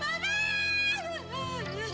ini luba penyok